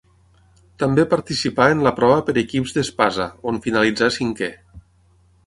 També participà en la prova per equips d'espasa, on finalitzà cinquè.